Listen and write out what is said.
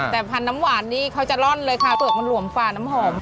แต่พันธุ์น้ำหวานนี่เขาจะร่อนเลยค่ะเปลือกมันหลวมฝ่าน้ำหอม